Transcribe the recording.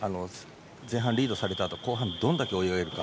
前半リードされたあと後半どれだけ泳げるか。